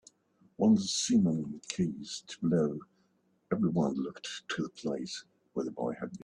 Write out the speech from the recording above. When the simum ceased to blow, everyone looked to the place where the boy had been.